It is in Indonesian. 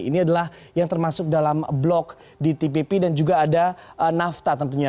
ini adalah yang termasuk dalam blok di tpp dan juga ada nafta tentunya